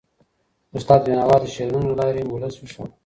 استاد بینوا د شعرونو له لارې ولس ویښاوه.